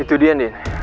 itu dia din